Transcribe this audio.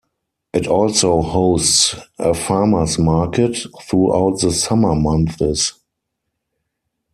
It also hosts a farmers market throughout the summer months.